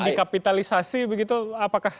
dikapitalisasi begitu apakah